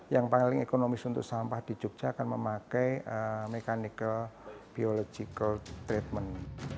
yang paling ekonomis untuk sampah di jogja akan memakai mechanical biological treatment